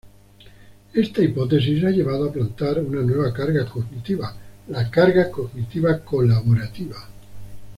Esta hipótesis ha llevado a plantar una nueva carga cognitiva "la carga cognitiva colaborativa".